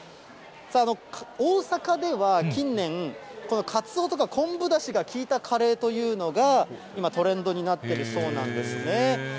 さあ、大阪では近年、このかつおとか昆布だしが効いたカレーというのが、今、トレンドになってるそうなんですね。